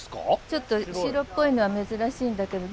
ちょっと白っぽいのは珍しいんだけど。